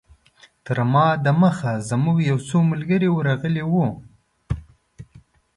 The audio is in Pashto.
تر ما دمخه زموږ یو څو ملګري ورغلي وو.